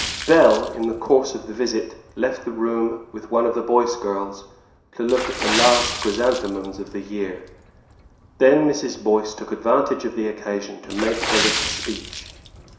Bell, in the course of the visit, left the room with one of the Boyce girls, to look at the last chrysanthemums of the year. Then Mrs. Boyce took advantage of the occasion to make her little speech.